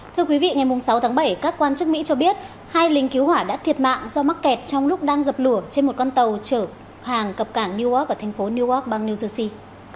thưa quý vị ngày sáu tháng bảy các quan chức mỹ cho biết hai lính cứu hỏa đã thiệt mạng do mắc kẹt trong lúc đang dập lửa trên một con tàu chở hàng cập cảng newark ở thành phố newark bang new jersey